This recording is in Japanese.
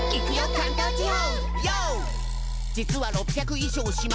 関東地方！」